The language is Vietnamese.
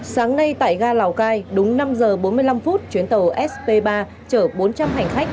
sáng nay tại ga lào cai đúng năm giờ bốn mươi năm phút chuyến tàu sp ba chở bốn trăm linh hành khách